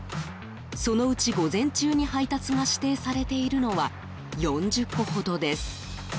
そのうち、午前中に配達が指定されているのは４０個ほどです。